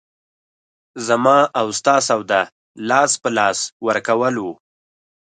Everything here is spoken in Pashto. زما او ستا سودا لاس په لاس ورکول وو.